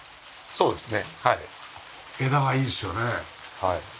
そうですね